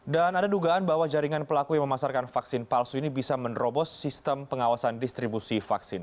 dan ada dugaan bahwa jaringan pelaku yang memasarkan vaksin palsu ini bisa menerobos sistem pengawasan distribusi vaksin